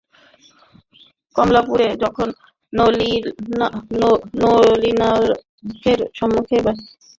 কমলা পূর্বে যখন নলিনাক্ষের সম্মুখে বাহির হইত না, তখন সে একরকম ছিল ভালো।